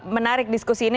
menarik diskusi ini